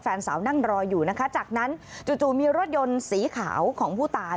แฟนสาวนั่งรออยู่นะคะจากนั้นจู่มีรถยนต์สีขาวของผู้ตาย